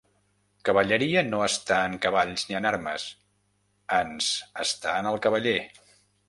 Cavalleria no està en cavalls ni en armes, ans està en el cavaller.